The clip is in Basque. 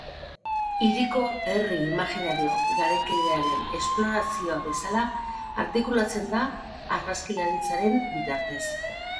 Hiriko herri imaginario garaikidearen explorazio bezela artikulatzen da argakilaritzaren bitartez.